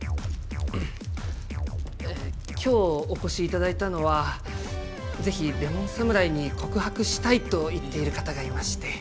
今日お越しいただいたのは是非レモン侍に告白したいと言っている方がいまして。